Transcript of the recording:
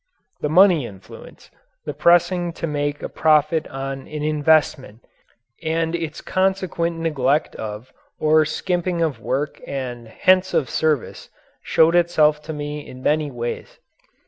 The money influence the pressing to make a profit on an "investment" and its consequent neglect of or skimping of work and hence of service showed itself to me in many ways.